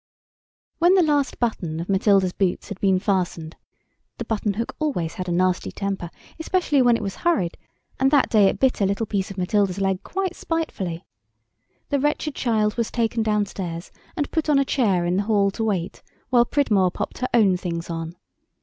When the last button of Matilda's boots had been fastened (the button hook always had a nasty temper, especially when it was hurried, and that day it bit a little piece of Matilda's leg quite spitefully) the wretched child was taken downstairs and put on a chair in the hall to wait while Pridmore popped her own things on.